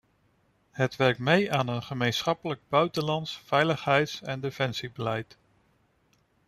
Het werkt mee aan een gemeenschappelijk buitenlands, veiligheids- en defensiebeleid.